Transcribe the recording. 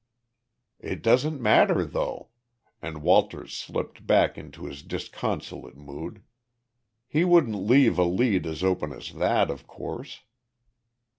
"It doesn't matter, though," and Walters slipped back into his disconsolate mood. "He wouldn't leave a lead as open as that, of course."